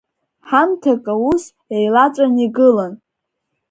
Ҳамҭакы ус еилаҵәан игылан.